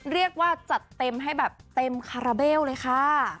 เรียกว่าจัดเต็มให้แบบเต็มคาราเบลเลยค่ะ